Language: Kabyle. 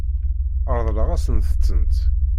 Ṛeḍlen-asent-tent.